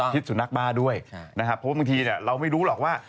ผิดสุนัขบ้านด้วยนะครับเพราะบางทีเนี่ยเราไม่รู้หรอกว่า